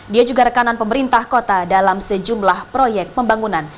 dia juga rekanan pemerintah kota dalam sejumlah proyek pembangunan